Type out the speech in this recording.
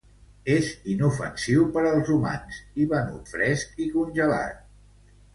És inofensiu per als humans i venut fresc i congelat.